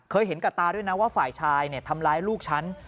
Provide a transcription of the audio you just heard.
เห็นกับตาด้วยนะว่าฝ่ายชายทำร้ายลูกฉัน